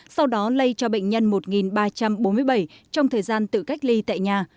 sau đó lây cho bệnh nhân một ba trăm bốn mươi bảy trong thời gian tự cách ly tại nhà